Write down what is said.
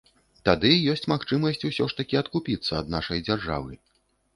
Тады ёсць магчымасць усё ж такі адкупіцца ад нашай дзяржавы.